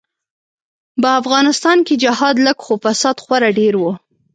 به افغانستان کی جهاد لږ خو فساد خورا ډیر وو.